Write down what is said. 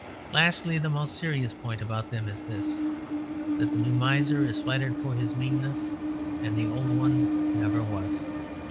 Lastly, the most serious point about them is this: that the new miser is flattered for his meanness and the old one never was.